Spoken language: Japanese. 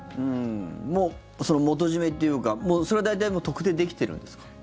もう、その元締っていうかもう、それは大体特定できてるんですか？